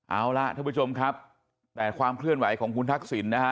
เอาล่ะท่านผู้ชมครับแต่ความเคลื่อนไหวของคุณทักษิณนะฮะ